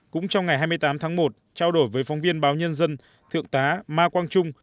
cũng trong ngày hai mươi tám tháng một trao đổi với phóng viên báo nhân dân thượng tá ma quang trung